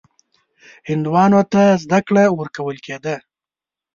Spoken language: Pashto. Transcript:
هندوانو ته زده کړه ورکول کېده.